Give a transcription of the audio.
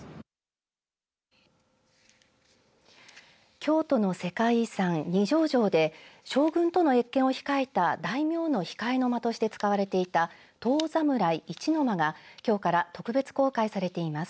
京都の世界遺産、二条城で将軍との謁見を控えた大名の控えの間として使われていた遠侍一の間がきょうから特別公開されています。